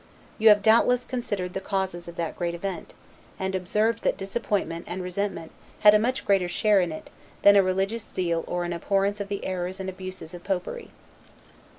You have, doubtless, considered the causes of that great event, and observed that disappointment and resentment had a much greater share in it, than a religious zeal or an abhorrence of the errors and abuses of popery.